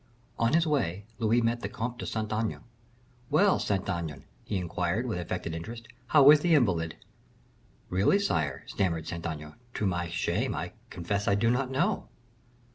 On his way Louis met the Comte de Saint Aignan. "Well, Saint Aignan," he inquired, with affected interest, "how is the invalid." "Really, sire," stammered Saint Aignan, "to my shame, I confess I do not know."